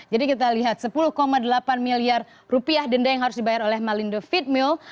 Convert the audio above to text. jadi kita lihat sepuluh delapan miliar rupiah denda yang harus dibayar oleh malindo feed mill